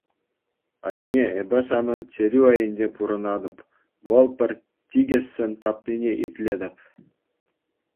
Анне, эпӗ санӑн чӗрӳ айӗнче пурӑнатӑп, вӑл пӗр тикӗссӗн тапнине итлетӗп.